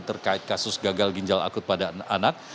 terkait kasus gagal ginjal akut pada anak